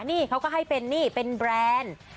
นี่เขาก็ให้เป็นนี่เป็นแบรนด์